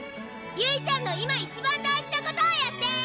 ゆいちゃんの今一番大事なことをやって！